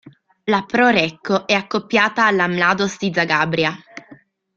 La Pro Recco è accoppiata alla Mladost di Zagabria.